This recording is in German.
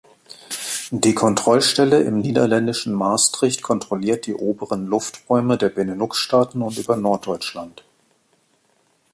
Die Kontrollstelle im niederländischen Maastricht kontrolliert die oberen Lufträume der Beneluxstaaten und über Norddeutschland.